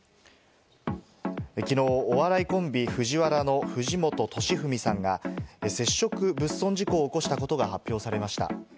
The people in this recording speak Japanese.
きのう、お笑いコンビ・ＦＵＪＩＷＡＲＡの藤本敏史さんが接触物損事故を起こしたことが発表されました。